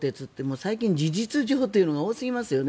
最近、事実上というのが多すぎますよね。